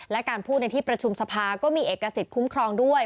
และการพูดในที่ประชุมสภาก็มีเอกสิทธิ์คุ้มครองด้วย